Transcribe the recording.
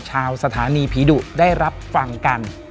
ชาวสถานีผีดุได้รับฟังกัน